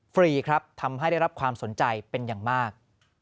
ฟรีครับทำให้ได้รับความสนใจเป็นอย่างมาก